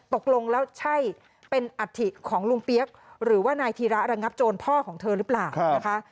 ตกลงแล้วใช่เป็นอัฐิของลุงเปี๊ยกหรือว่านายธีระระงับโจรพ่อของเธอหรือเปล่านะคะ